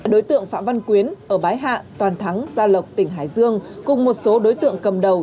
đối tượng phạm văn quyến ở bái hạ toàn thắng gia lộc tỉnh hải dương cùng một số đối tượng cầm đầu